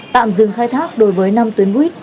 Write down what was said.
tạm dừng khai thác đối với năm tuyến buýt